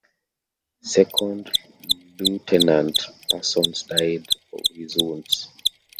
Second Lieutenant Parsons died of his wounds.